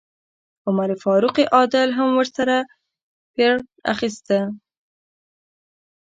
د عمر فاروق عادل هم ورسره پیرډ اخیسته.